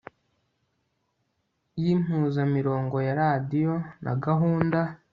y impuzamirongo ya radiyo na gahunda